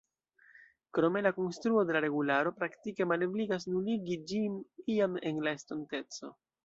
Krome, la konstruo de la regularo praktike malebligas nuligi ĝin iam en la estonteco.